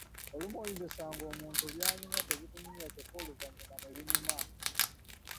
Olumu oyinza okusanga ng’omuntu by’anyumya tebikunyumira kyokka oluvannyuma ne binyuma.